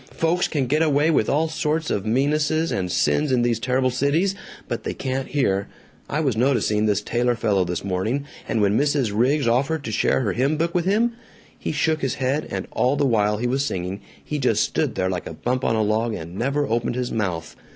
Folks can get away with all sorts of meannesses and sins in these terrible cities, but they can't here. I was noticing this tailor fellow this morning, and when Mrs. Riggs offered to share her hymn book with him, he shook his head, and all the while we was singing he just stood there like a bump on a log and never opened his mouth.